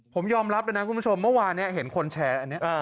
ผมยอมรับเลยนะคุณผู้ชมเมื่อวานนี้เห็นคนแชร์อันนี้